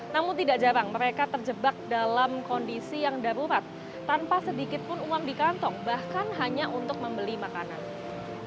namun tidak jarang mereka terjebak dalam kondisi yang darurat tanpa sedikit pun uang di kantong bahkan hanya untuk membeli makanan